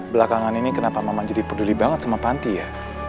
belakangan ini kenapa mama jadi peduli banget sama panti ya